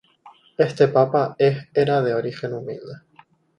Este Papa es era de origen humilde.